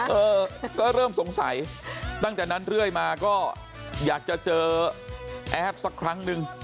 เออก็เริ่มสงสัยตั้งแต่นั้นเรื่อยมาก็อยากจะเจอแอดสักครั้งนึง